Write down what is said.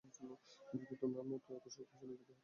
যদি তোমার মতো এত শক্তিশালী ও জেদী হতে পারতাম।